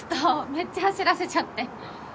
めっちゃ走らせちゃって。